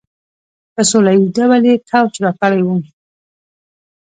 په سوله ایز ډول یې کوچ راکړی وي.